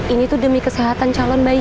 ini tuh demi kesehatan calon bayi